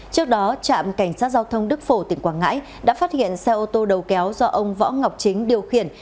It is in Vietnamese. trước đó trạm cảnh sát giao thông đức phổ tỉnh quảng ngãi đã phát hiện xe ô tô đầu kéo do ông võ ngọc chính điều khiển